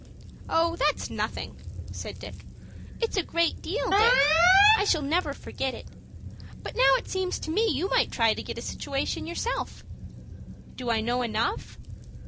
"Oh, that's nothing!" said Dick. "It's a great deal, Dick. I shall never forget it. But now it seems to me you might try to get a situation yourself." "Do I know enough?"